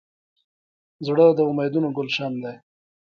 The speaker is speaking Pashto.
زړه د امیدونو ګلشن دی.